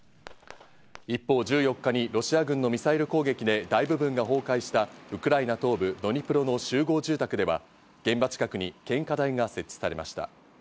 一方、１４日にロシア軍のミサイル攻撃で大部分が崩壊したウクライナ東部ドニプロの集合住宅では、現場近くに献花台が設置されました。